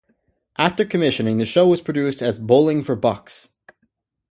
After commissioning, the show was produced as "Bowling For Bucks".